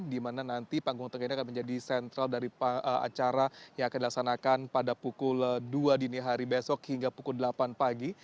di mana nanti panggung tengah ini akan menjadi sentral dari acara yang akan dilaksanakan pada pukul dua dini hari besok hingga pukul delapan pagi